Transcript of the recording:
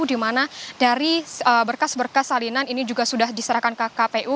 di mana dari berkas berkas salinan ini juga sudah diserahkan ke kpu